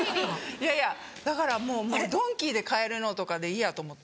いやいやだからもうドンキで買えるのとかでいいやと思って。